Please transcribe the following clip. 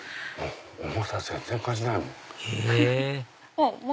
重さ全然感じないもん。